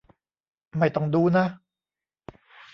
ไม่ต้องดูนะ